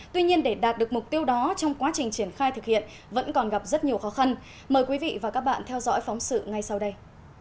tuy nhiên để đạt được mục tiêu đó trong quá trình triển khai thực hiện vẫn còn gặp rất nhiều khó khăn mời quý vị và các bạn theo dõi phóng sự ngay sau đây